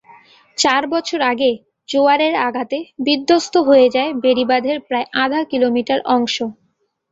চার বছর আগে জোয়ারের আঘাতে বিধ্বস্ত হয়ে যায় বেড়িবাঁধের প্রায় আধা কিলোমিটার অংশ।